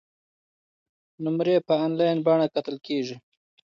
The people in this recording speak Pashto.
نمرې په انلاین بڼه کتل کیږي.